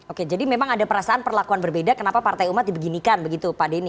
oke jadi memang ada perasaan perlakuan berbeda kenapa partai umat dibeginikan begitu pak denny